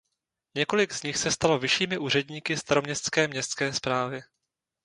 Několik z nich se stalo vyššími úředníky staroměstské městské správy.